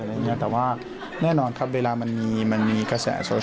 เป็นบทบาทสำคัญของความสัมพันธ์หรือคู่รัก